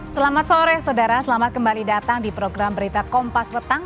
selamat sore saudara selamat kembali datang di program berita kompas petang